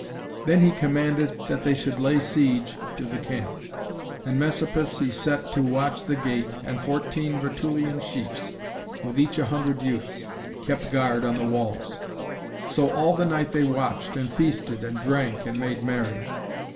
Then he commanded that they should lay siege to the camp; and Messapus he set to watch the gate, and fourteen Rutulian chiefs, with each a hundred youths, kept guard on the walls. So all the night they watched, and feasted, and drank, and made merry.